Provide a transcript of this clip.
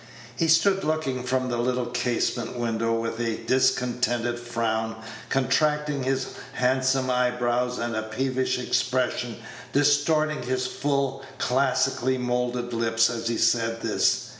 He stood looking from the little casement window with a discontented frown contracting Page 105 his handsome eyebrows, and a peevish expression distorting his full, classically moulded lips as he said this.